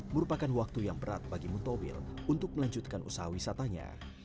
merupakan waktu yang berat bagi muntowil untuk melanjutkan usaha wisatanya